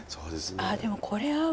ああでもこれ合う。